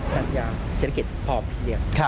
สัญญาเศรษฐกิจพรพิเศษ